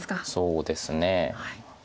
そうですね。